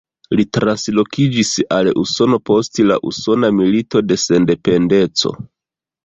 Li translokiĝis al Usono post la Usona Milito de Sendependeco.